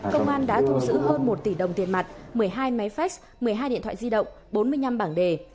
công an đã thu giữ hơn một tỷ đồng tiền mặt một mươi hai máy faes một mươi hai điện thoại di động bốn mươi năm bảng đề